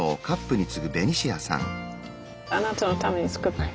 あなたのために作ったの。